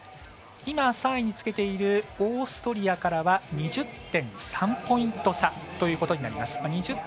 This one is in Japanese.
今、３位につけているオーストリアからは２０．３ポイント差となります。